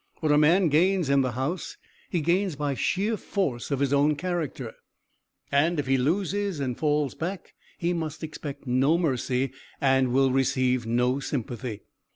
What a man gains in the House he gains by sheer force of his own character, and if he loses and falls back he must expect no mercy, and will receive no sympathy.